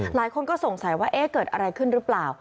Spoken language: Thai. หลายคนก็สงสัยว่าเอ๊ะเกิดอะไรขึ้นหรือเปล่า